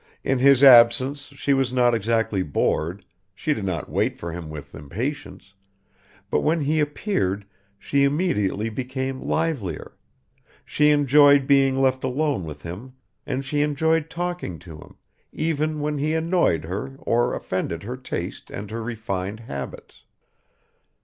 In his absence she was not exactly bored, she did not wait for him with impatience, but when he appeared she immediately became livelier; she enjoyed being left alone with him and she enjoyed talking to him, even when he annoyed her or offended her taste and her refined habits.